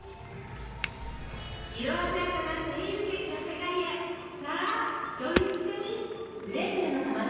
色鮮やかなセンイルケーキの世界へさあご一緒に！